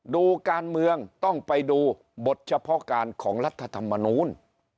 ดูการเมืองต้องไปดูบทเฉพาะการของรัฐธรรมนูล